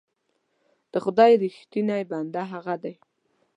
د خدای رښتونی بنده هغه دی.